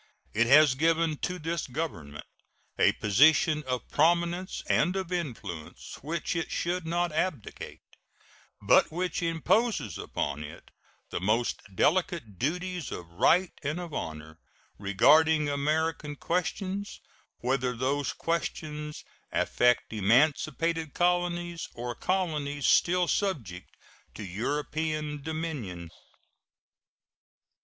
It has given to this Government a position of prominence and of influence which it should not abdicate, but which imposes upon it the most delicate duties of right and of honor regarding American questions, whether those questions affect emancipated colonies or colonies still subject to European dominion.